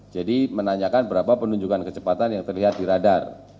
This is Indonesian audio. jadi menanyakan berapa penunjukan kecepatan yang terlihat di radar